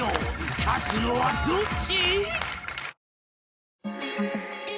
勝つのはどっち？